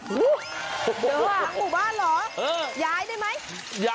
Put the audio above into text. คุณดูด้วยอ่ะ